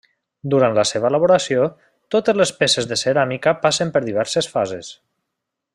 Durant la seva elaboració, totes les peces de ceràmica passen per diverses fases.